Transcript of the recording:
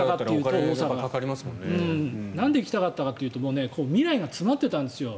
なんで行きたかったかというと未来が詰まってたんですよ。